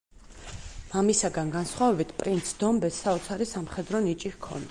მამისაგან განსხვავებით, პრინც დომბეს საოცარი სამხედრო ნიჭი ჰქონდა.